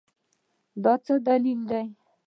دا څه دلیل دی ؟